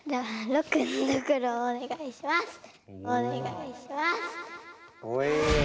お願いします！